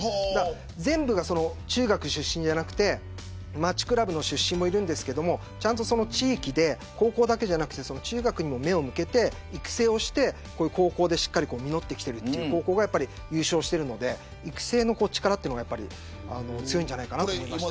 全部が中学出身じゃなくて町クラブの出身もいますが地域で、高校だけじゃなくて中学にも目を向けて育成をしてしっかり実ってきている高校が優勝しているので育成の力というのが強いんじゃないかなと思いました。